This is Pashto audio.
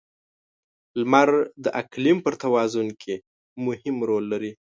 • لمر د اقلیم پر توازن کې مهم رول لري.